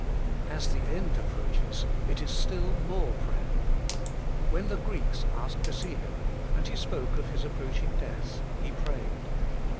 As the end approaches, it is still more prayer. When the Greeks asked to see Him, and He spoke of His approaching death, He prayed.